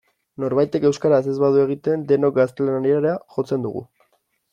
Norbaitek euskaraz ez badu egiten denok gaztelaniara jotzen dugu.